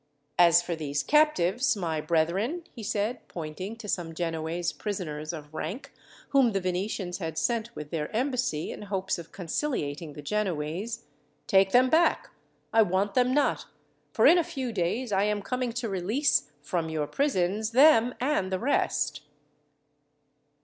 "As for these captives, my brethren," he said, pointing to some Genoese prisoners of rank, whom the Venetians had sent with their embassy, in hopes of conciliating the Genoese, "take them back. I want them not; for in a few days I am coming to release, from your prisons, them and the rest."